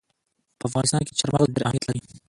په افغانستان کې چار مغز ډېر اهمیت لري.